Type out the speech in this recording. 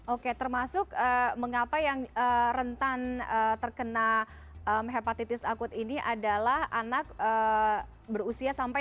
oke termasuk mengapa yang rentan terkena hepatitis akut ini adalah anak berusia sampai